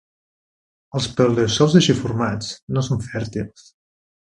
Els paleosòls així formats no són fèrtils.